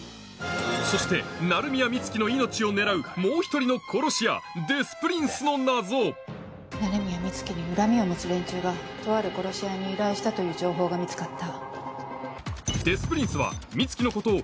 そして鳴宮美月の命を狙うもう１人の殺し屋鳴宮美月に恨みを持つ連中がとある殺し屋に依頼したという情報が見つかった。